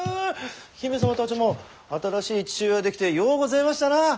姫様たちも新しい父上が出来てようごぜましたな！